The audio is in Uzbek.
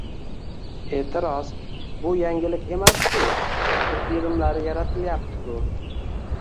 E’tiroz: «Bu yangilik emas-ku, o‘quv filmlari yaratilayapti-ku!».